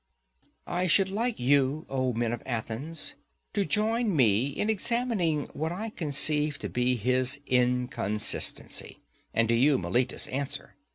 I should like you, O men of Athens, to join me in examining what I conceive to be his inconsistency; and do you, Meletus, answer.